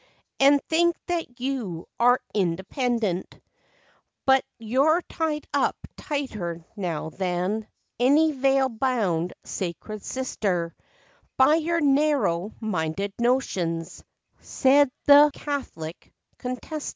and Think that you are independent; But you 're tied up tighter now than Any veil bound sacred sister, By your narrow minded notions," Said the Catholic contestant.